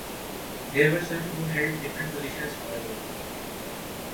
There were some who held different positions, however.